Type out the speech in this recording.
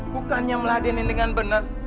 bukannya meladenin dengan benar